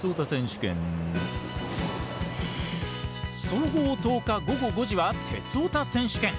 総合１０日、午後５時は「鉄オタ選手権」。